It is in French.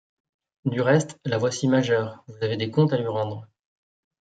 Du reste, la voici majeure, vous avez des comptes à lui rendre.